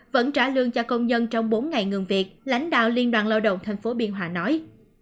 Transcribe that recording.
vẫn trả lương cho công nhân trong bốn ngày ngừng việc lãnh đạo liên đoàn lao động tp biên hòa nói